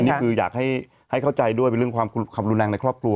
นี่คืออยากให้เข้าใจด้วยเป็นเรื่องความรุนแรงในครอบครัว